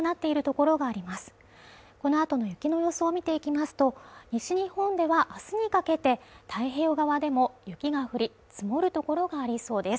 このあとの雪の予想見ていきますと西日本ではあすにかけて太平洋側でも雪が降り積もる所がありそうです